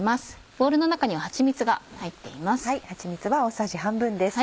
ボウルの中にははちみつが入っています。